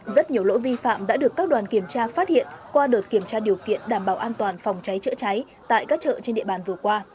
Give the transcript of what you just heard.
rất nhiều lỗi vi phạm đã được các đoàn kiểm tra phát hiện qua đợt kiểm tra điều kiện đảm bảo an toàn phòng cháy chữa cháy tại các chợ trên địa bàn vừa qua